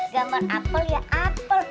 gambar apel ya apel